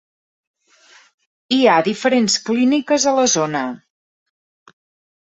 Hi ha diferents clíniques a la zona.